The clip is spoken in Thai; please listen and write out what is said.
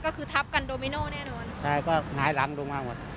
ก็คือทับกันโดมิโน่แน่นอนใช่ก็หายหลังลงมาหมด